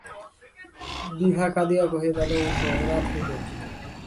বিভা কাঁদিয়া কহে, দাদা উঠ, রাত হইল।